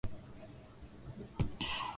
Sirikali intukopesha nyumba